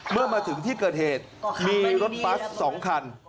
เมื่อมาถึงที่เกิดเหตุมีรถบัส๒คัน